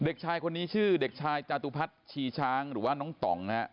เด็กชายคนนี้ชื่อเด็กชายจาตุพัฒน์ชีช้างหรือว่าน้องต่องนะฮะ